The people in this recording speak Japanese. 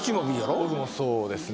僕もそうですね